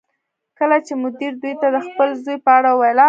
کله چې مدیر دوی ته د خپل زوی په اړه وویل